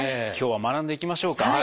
今日は学んでいきましょうか。